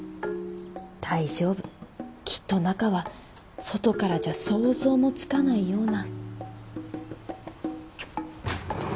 大丈夫きっと中は外からじゃ想像もつかないような